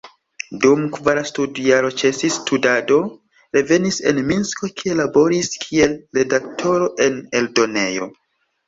Dum kvara studjaro ĉesis studado, revenis en Minsko, kie laboris kiel redaktoro en eldonejo.